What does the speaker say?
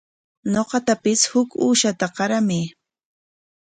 Ñuqatapis huk uushata qaramay.